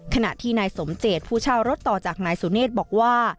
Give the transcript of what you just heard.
ขณะที่นายสมเจตผู้เช่ารถต่อจากนายสุเนธบอกว่า